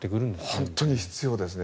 本当に必要ですね。